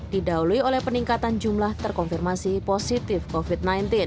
didahului oleh peningkatan jumlah terkonfirmasi positif covid sembilan belas